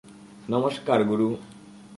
নমস্কার, গুরু।